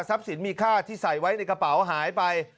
สินมีค่าที่ใส่ไว้ในกระเป๋าหายไป